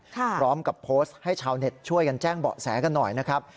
พร้อมกับโพสต์ให้ชาวเน็ตช่วยกันแจ้งเบาะแสกันหน่อยนะครับ